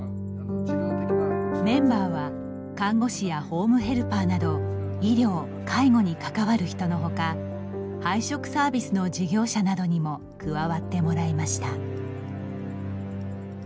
メンバーは看護師やホームヘルパーなど医療・介護に関わる人のほか配食サービスの事業者などにも加わってもらいました。